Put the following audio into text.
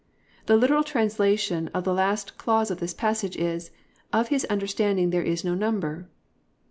"+ The literal translation of the last clause of this passage is "Of his understanding there is no number."